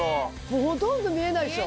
もうほとんど見えないでしょ？